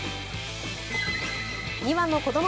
２羽の子ども